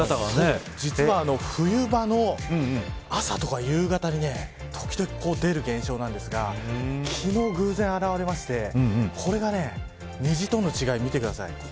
実は冬場の朝とか夕方に時々、出る現象なんですが昨日、偶然現れましてこれが虹との違いを見てください。